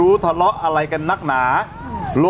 สุดท้ายสุดท้าย